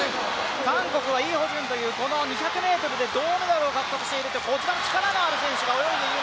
韓国はイ・ホジュンというこの２００ｍで銅メダルを獲得しているこちらも力のある選手が泳いでいる。